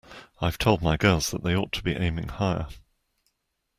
I've told my girls that they ought to be aiming higher.